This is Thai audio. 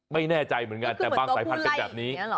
ไม่แน่ใจเหมือนกันแต่บางสายพันธุ์เป็นแบบนี้